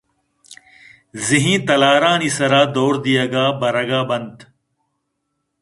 زِہیں تلارانی سرا دئور دئیگ ءَ برگ ءَ بنت